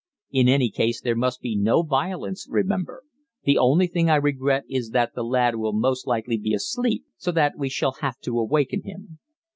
In any case there must be no violence, remember. The only thing I regret is that the lad will most likely be asleep, so that we shall have to awaken him."